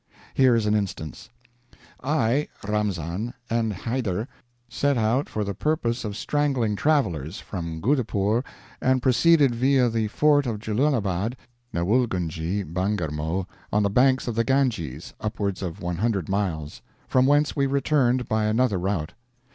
Here is an instance: "I (Ramzam) and Hyder set out, for the purpose of strangling travelers, from Guddapore, and proceeded via the Fort of Julalabad, Newulgunge, Bangermow, on the banks of the Ganges (upwards of 100 miles), from whence we returned by another route.